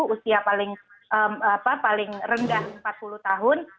usia paling rendah empat puluh tahun